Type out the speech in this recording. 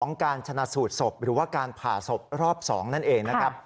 การชนะสูตรศพหรือว่าการผ่าศพรอบ๒นั่นเองนะครับ